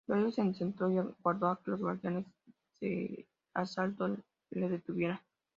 Luego, se sentó y aguardó a que los guardias de asalto le detuvieran.